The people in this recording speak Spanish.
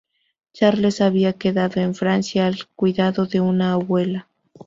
Charles había quedado en Francia al cuidado de una abuela.